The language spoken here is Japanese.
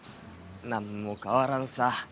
何も変わらんさ。